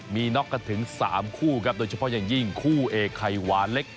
มีน็อกกันถึง๓คู่ครับโดยเฉพาะอย่างยิ่งคู่เอกไข่หวานเล็ก